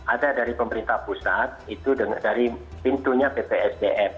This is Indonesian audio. ada dari pemerintah pusat itu dari pintunya bpsdm